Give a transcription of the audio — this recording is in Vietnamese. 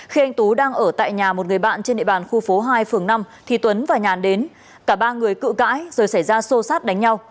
khi anh tú đang ở tại nhà một người bạn trên địa bàn khu phố hai phường năm thì tuấn và nhàn đến cả ba người cự cãi rồi xảy ra xô xát đánh nhau